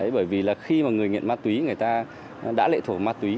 bởi vì là khi mà người nghiện ma túy người ta đã lệ thổ ma túy